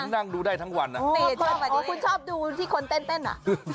ทำไมอ่ะอ๋อคุณชอบดูที่คนเต้นอ่ะ